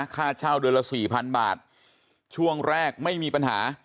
ค่าเช่าเดือนละสี่พันบาทช่วงแรกไม่มีปัญหา